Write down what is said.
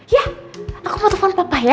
yah aku mau telfon papa ya